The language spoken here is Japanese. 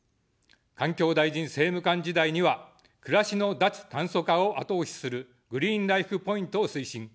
環境大臣政務官時代には、暮らしの脱炭素化を後押しするグリーンライフ・ポイントを推進。